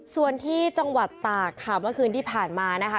ส่วนที่จังหวัดตากค่ะเมื่อคืนที่ผ่านมานะคะ